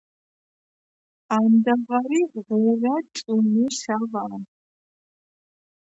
ამდაღარი ღურა ჭუმეშავა.